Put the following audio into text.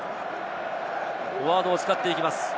フォワードを使っていきます。